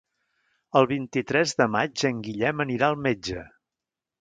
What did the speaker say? El vint-i-tres de maig en Guillem anirà al metge.